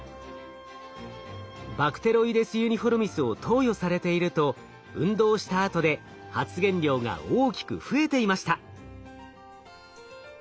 バクテロイデス・ユニフォルミスを投与されていると運動したあとで発現量が大きく増えていました。